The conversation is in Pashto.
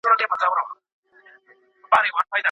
کړکۍ د باد په لګېدو سره لږه ښورېدله.